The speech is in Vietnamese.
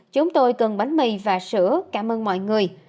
chúng tôi cần bánh mì và sữa cảm ơn mọi người